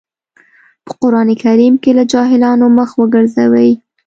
په قرآن کريم کې له جاهلانو مخ وګرځوئ.